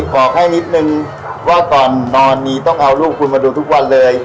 บอกให้นิดนึงว่าก่อนนอนนี้ต้องเอาลูกคุณมาดูทุกวันเลย